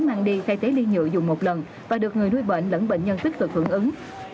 mang đi thay thế ly nhựa dùng một lần và được người nuôi bệnh lẫn bệnh nhân tích cực hưởng ứng